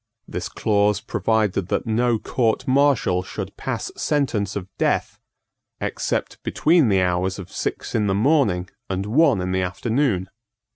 This clause provided that no court martial should pass sentence of death except between the hours of six in the morning and one in the afternoon.